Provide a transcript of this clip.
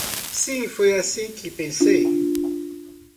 Sim, foi assim que pensei.